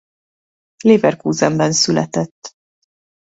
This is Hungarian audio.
Leverkusenben született.